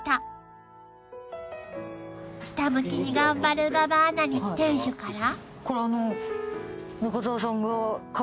［ひたむきに頑張る馬場アナに店主から］